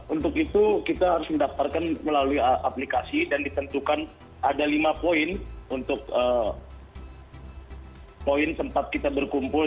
untuk itu kita harus mendaftarkan melalui aplikasi dan ditentukan ada lima poin untuk poin tempat kita berkumpul